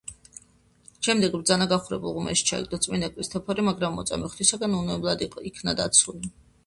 შემდეგ ბრძანა, გახურებულ ღუმელში ჩაეგდოთ წმინდა ქრისტეფორე, მაგრამ მოწამე ღვთისგან უვნებლად იქნა დაცული.